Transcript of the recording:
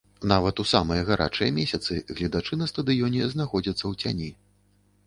Нават у самыя гарачыя месяцы гледачы на стадыёне знаходзяцца ў цяні.